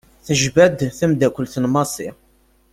Tejba-d temddakelt n Massi.